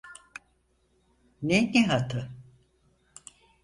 Ne Nihat’ı?